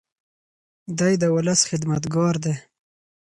دی د ولس خدمتګار دی.